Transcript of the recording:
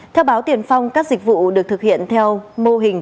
theo báo tiền phong các dịch vụ được thực hiện theo mô hình